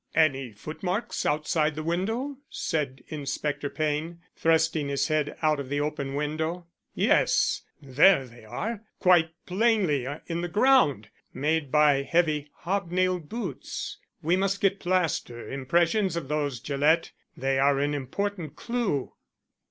"Any foot marks outside the window?" said Inspector Payne, thrusting his head out of the open window. "Yes, there they are, quite plainly, in the ground. Made by heavy hobnailed boots. We must get plaster impressions of those, Gillett. They are an important clue."